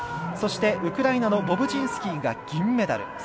そして、ウクライナのボブチンスキーが銀メダル。